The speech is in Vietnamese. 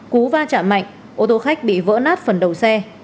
cú va chạm mạnh ô tô khách bị vỡ nát phần đầu xe